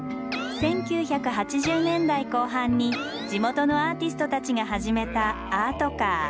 １９８０年代後半に地元のアーティストたちが始めたアートカー。